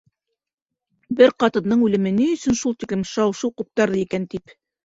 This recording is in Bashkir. Бер ҡатындың үлеме ни өсөн шул тиклем шау-шыу ҡуптарҙы икән, тип.